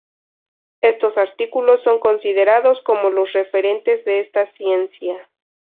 Estos artículos son considerados como los referentes de esta ciencia.